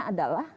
impact nya adalah